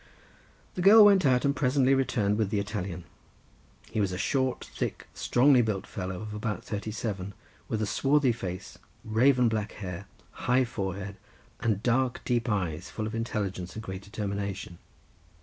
The girl went out and presently returned with the Italian. He was a short, thick, strongly built fellow of about thirty seven, with a swarthy face, raven black hair, high forehead, and dark deep eyes, full of intelligence and great determination.